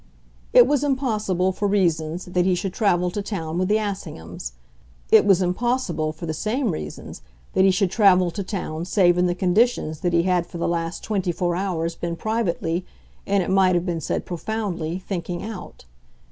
It was impossible, for reasons, that he should travel to town with the Assinghams; it was impossible, for the same reasons, that he should travel to town save in the conditions that he had for the last twenty four hours been privately, and it might have been said profoundly, thinking out.